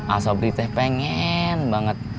asobriteh pengen banget